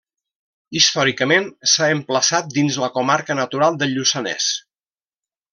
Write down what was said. Històricament s'ha emplaçat dins la comarca natural del Lluçanès.